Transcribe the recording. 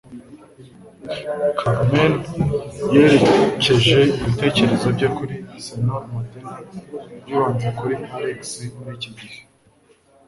Carmen yerekeje ibitekerezo bye kuri Señor Medena, wibanze kuri Alex muri iki gihe.